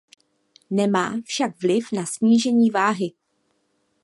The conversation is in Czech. Nemá však vliv na snížení váhy.